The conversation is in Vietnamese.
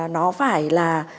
nó phải là